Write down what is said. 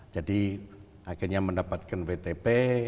jadi akhirnya mendapatkan vtp